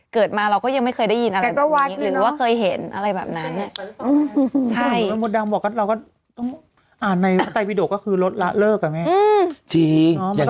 เกิดมาเราก็ยังไม่เคยได้ยินอะไรเป็นนี้หรือว่าเคยเห็นอะไรแบบนั้นแสดงว่าเห็นอะไรแบบนั้น